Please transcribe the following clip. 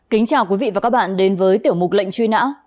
kính chào quý vị và các bạn đến với tiểu mục lệnh truy nã